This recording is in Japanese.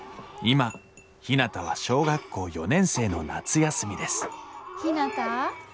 今ひなたは小学校４年生の夏休みですひなた。